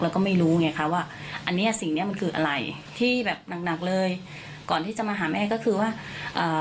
แล้วก็ไม่รู้ไงค่ะว่าอัเนี้ยสิ่งเนี้ยมันคืออะไร